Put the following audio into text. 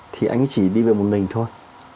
thì anh ấy chỉ đi về một mình thôi